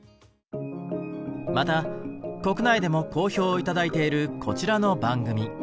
また国内でも好評を頂いているこちらの番組。